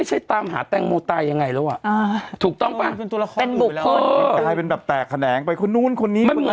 จำได้ไหมพวกวิเศษเยอะไปหมด